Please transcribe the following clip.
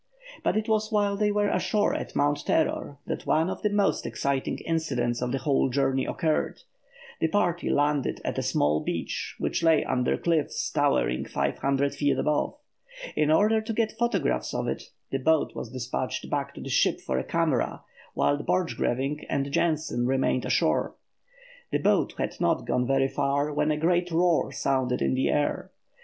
But it was while they were ashore at Mount Terror that one of the most exciting incidents of the whole journey occurred. The party landed at a small beach which lay under cliffs towering five hundred feet above. In order to get photographs of it, the boat was despatched back to the ship for a camera, while Borchgrevinck and Jensen remained ashore. The boat had not gone very far when a great roar sounded in the air.